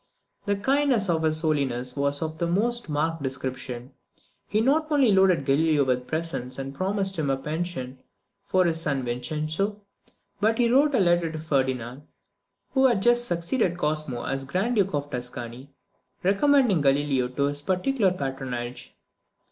The kindness of his Holiness was of the most marked description. He not only loaded Galileo with presents, and promised him a pension for his son Vincenzo, but he wrote a letter to Ferdinand, who had just succeeded Cosmo as Grand Duke of Tuscany, recommending Galileo to his particular patronage.